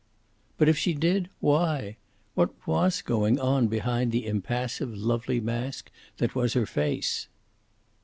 But if she did, why? What was going on behind the impassive, lovely mask that was her face.